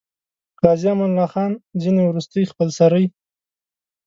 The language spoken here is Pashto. عازي امان الله خان ځینې وروستۍخپلسرۍ.